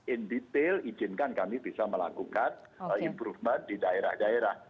in detail izinkan kami bisa melakukan improvement di daerah daerah